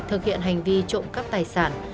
thực hiện hành vi trộm cắp tài sản